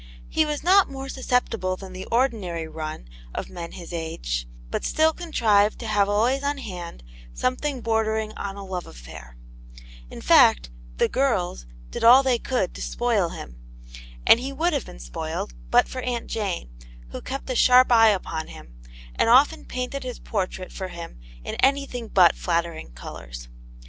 He was not more sus ceptible than the ordinary run of men of his age, but still contrived to have always on hand some thing bordering on a love affain In fact, "the girls" did all they could to spoil him, and he would have been spoiled but for Aunt Jane, who kept a sharp eye upon him, and often painted his portrait for him in anything but flattering colours.